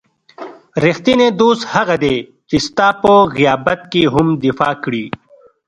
رښتینی دوست هغه دی چې ستا په غیابت کې هم دفاع کړي.